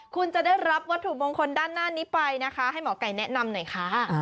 คุณจะได้รับวัตถุมงคลด้านหน้านี้ไปนะคะให้หมอไก่แนะนำหน่อยค่ะ